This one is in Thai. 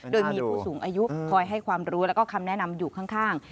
โดยมีผู้สูงอายุคอยให้ความรู้แล้วก็คำแนะนำอยู่ข้าง